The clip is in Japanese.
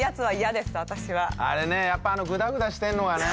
あれねやっぱあのぐだぐだしてるのがね。